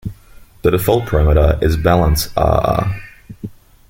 The default parameter is balance-rr.